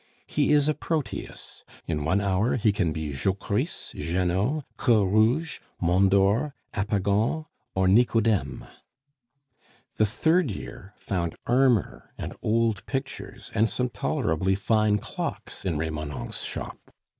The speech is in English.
He is a Proteus; in one hour he can be Jocrisse, Janot, Queue rouge, Mondor, Hapagon, or Nicodeme. The third year found armor, and old pictures, and some tolerably fine clocks in Remonencq's shop.